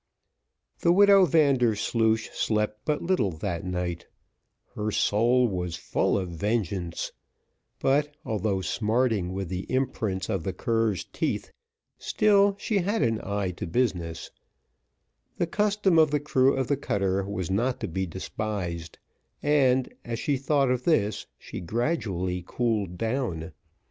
The widow Vandersloosh slept but little that night: her soul was full of vengeance; but although smarting with the imprints of the cur's teeth, still she had an eye to business; the custom of the crew of the cutter was not to be despised, and, as she thought of this, she gradually cooled down.